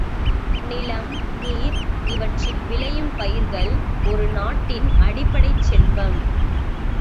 நிலம் நீர் இவற்றில் விளையும் பயிர்கள் ஒரு நாட்டின் அடிப்படைச் செல்வம்.